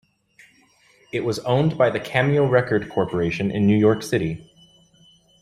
It was owned by the Cameo Record Corporation in New York City.